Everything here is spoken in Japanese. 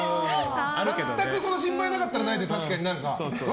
全く心配なかったらないで確かに何？